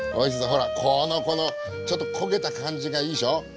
ほらこのこのちょっと焦げた感じがいいでしょう？